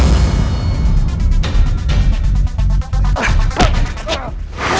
untuk memberikan kesaksian